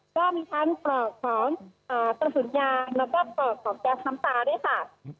ก็มีทั้งปลอกของกระสุนยางแล้วก็ปลอกของแก๊สน้ำตาด้วยค่ะ